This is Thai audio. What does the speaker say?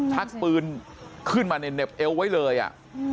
ชักปืนขึ้นมาในเหน็บเอวไว้เลยอ่ะ